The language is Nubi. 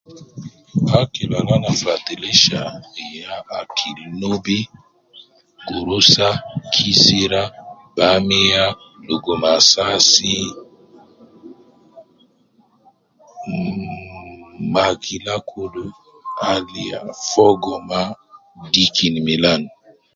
Akil al ana fadhilisha ya akil nubi, gurusa, kisira, bamia, luguma saasi mh, ma akila kulu al ya fogo mma dikin milan.